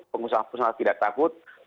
pengusaha pengusaha tidak takut